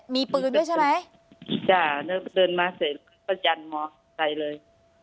มีปืนด้วยใช่ไหมจ้ะเดินมาเสร็จประจันมอเตอร์ไซล์เลย